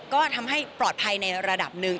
ก็ทำให้ปลอดภัยในระดับหนึ่ง